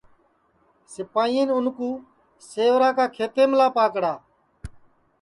سپائین اُن کُو سیوراکا کھیتیملا پاکڑا